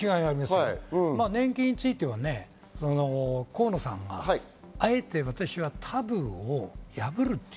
連携については河野さんがあえて私はタブーを破る。